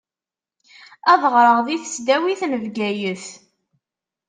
Ad ɣṛeɣ di tesdawit n Bgayet.